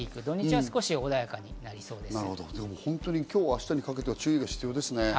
土日は穏やかになりそ今日、明日にかけては注意が必要ですね。